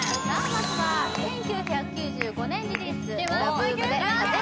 まずは１９９５年リリースいけます！